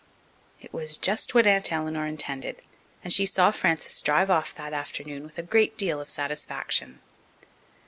It was just what Aunt Eleanor intended, and she saw Frances drive off that afternoon with a great deal of satisfaction.